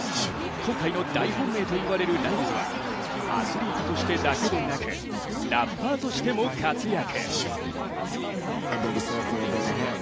今回の大本命といわれるライルズはアスリートとしてだけでなくラッパーとしても活躍。